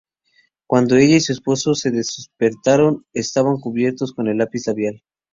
Cuando ella y su esposo se despertaron, estaban cubiertos con el lápiz labial.